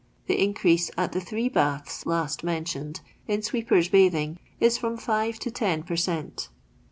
The in crease at the three baths last mentioned, in sweepers bathing, is from 5 to 10 per cent.